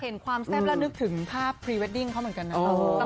ความแซ่บแล้วนึกถึงภาพพรีเวดดิ้งเขาเหมือนกันนะ